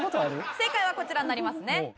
正解はこちらになりますね。